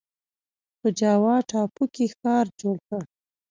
په جاوا ټاپو کې ښار جوړ کړ.